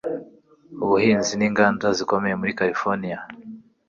Ubuhinzi ninganda zikomeye muri Californiya.